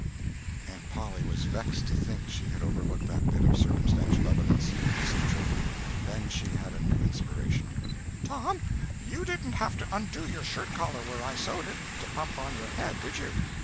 Aunt Polly was vexed to think she had overlooked that bit of circumstantial evidence, and missed a trick. Then she had a new inspiration: "Tom, you didn't have to undo your shirt collar where I sewed it, to pump on your head, did you?